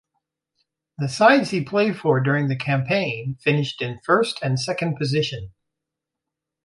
The sides he played for during that campaign finished in first and second position.